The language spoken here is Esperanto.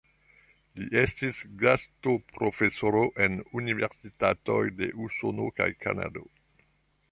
Li estis gastoprofesoro en universitatoj de Usono kaj Kanado.